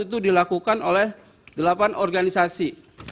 itu dilakukan oleh delapan organisasi